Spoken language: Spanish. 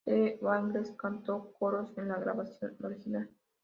The Bangles cantó coros en la grabación original.